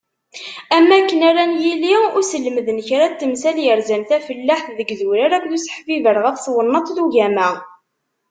Am wakken ara n-yili uselmed n kra n temsal yerzan tafellaḥt deg yidurar akked useḥbiber ɣef twennaḍt d ugama.